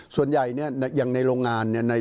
ส่วนใหญ่อย่างในโรงงาน